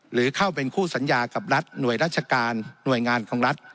หรือเข้าเป็นคู่สัญญากับรัฐหน่วยราชการหน่วยงานของรัฐ